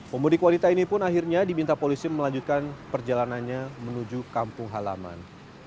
pemudik wanita ini pun akhirnya diminta polisi melanjutkan perjalanannya menuju kampung halaman